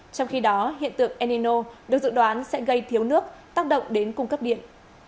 trong khi đó hiện tượng enino được dự đoán sẽ gây thiếu nước tác động đến cung cấp điện